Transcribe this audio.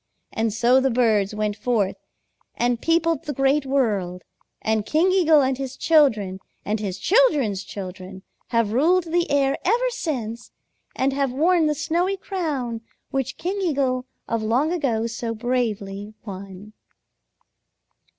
And so the birds went forth and peopled the Great World, and King Eagle and his children and his children's children have ruled the air ever since and have worn the snowy crown which King Eagle of long ago so bravely won."